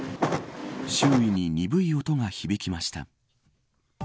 周囲に、鈍い音が響きました。